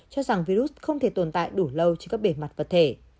cho rằng virus không thể tồn tại đủ lâu trên các bề mặt vật thể